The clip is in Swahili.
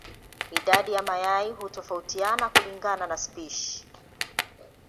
Idadi ya mayai hutofautiana kulingana na spishi.